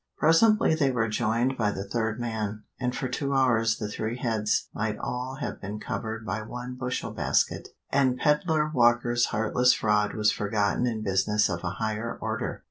Presently they were joined by the third man, and for two hours the three heads might all have been covered by one bushel basket, and peddler Walker's heartless fraud was forgotten in business of a higher order.